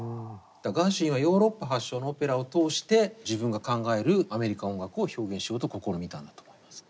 ガーシュウィンはヨーロッパ発祥のオペラを通して自分が考えるアメリカ音楽を表現しようと試みたんだと思います。